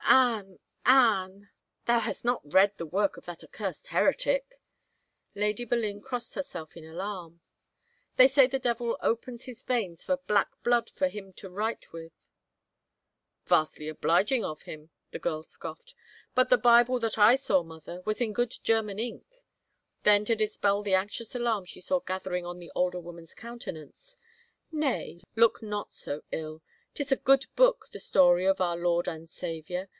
" Anne — Anne — thou hast not read the work of that accursed heretic !" Lady Boleyn crossed herself in alarm. "They say the devil opens his veins for black blood for him to write with !"" Vastly obliging of him," the girl scoffed. " But the Bible that I saw, mother, was in good German ink." Then to dispell the anxious alarm she saw gathering on the older woman's countenance, " Nay, look not so ill. Tis a good book, the story of our Lord and Saviour.